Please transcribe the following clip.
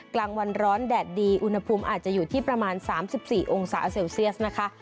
กลางวันร้อนแดดดีอุณหภูมิอาจจะอยู่ที่ประมาณ๓๔องศาเซลเซียสนะคะ